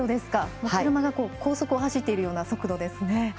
車が高速を走っているような速度ですね。